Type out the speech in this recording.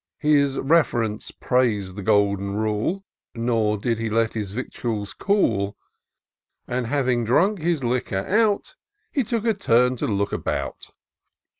His Rev'rence prais'd the golden rule. Nor did he let his victuals cool ; And, having drunk his liquor out. He took a turn to look about.